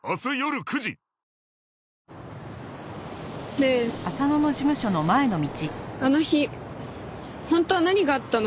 ねえあの日本当は何があったの？